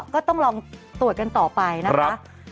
ก็ต้องลองตรวจกันต่อไปนะคะ